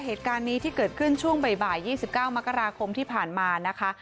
เหตุการณ์นี้ที่เกิดขึ้นช่วงบ่าย๒๙มกราคมที่ผ่านมานะคะ